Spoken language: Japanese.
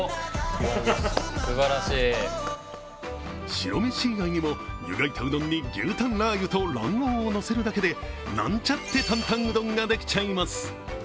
白飯以外にも湯がいたうどんに牛たんラー油と卵黄をのせるだけで、なんちゃって坦々うどんができちゃいます。